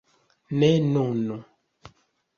Ne nun.